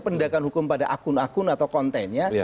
pendegakan hukum pada akun akun atau kontennya